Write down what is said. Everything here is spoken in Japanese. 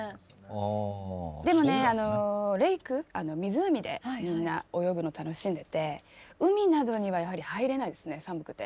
でもねレイク湖でみんな泳ぐの楽しんでて海などにはやはり入れないですね寒くて。